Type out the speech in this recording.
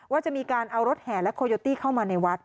ว่าจะมีการเอารถแห่และโคโยตี้เข้ามาในวัด